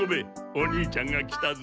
お兄ちゃんが来たぞ。